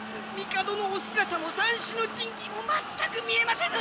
帝のお姿も三種の神器も全く見えませぬ！